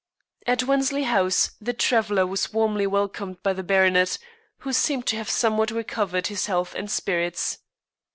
At Wensley House the traveller was warmly welcomed by the baronet, who seemed to have somewhat recovered his health and spirits.